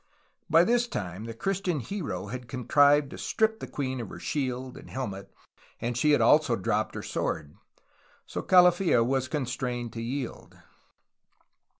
By this time the Christian hero had contrived to strip the queen of her shield and helmet, and she had also dropped her sword. So Calafia was constrained to yield.